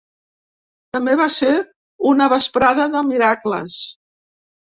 També va ser una vesprada de miracles.